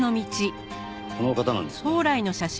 この方なんですが。